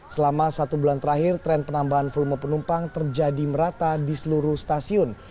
selama satu bulan terakhir tren penambahan volume penumpang terjadi merata di seluruh stasiun